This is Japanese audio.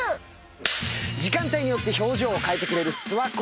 時間帯によって表情を変えてくれる諏訪湖。